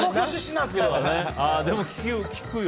でも聞くよ。